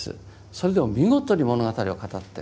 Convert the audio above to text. それでも見事に物語を語ってる。